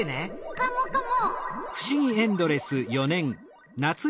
カモカモ！